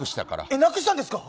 なくしたんですか？